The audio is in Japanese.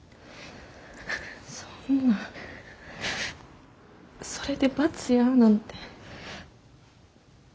そんなそれで罰やなんて。